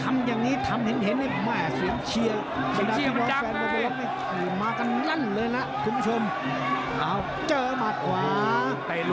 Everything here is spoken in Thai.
มาอย่างที่พระรวจเห็น